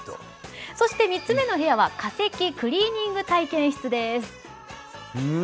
そして３つ目の部屋は化石クリーニング体験室です。